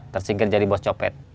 tersinggir jadi bos copet